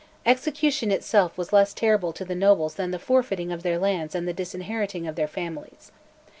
Execution itself was less terrible to the nobles than the forfeiting of their lands and the disinheriting of their families.